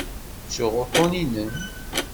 Ttuɣ uṭṭun-inem.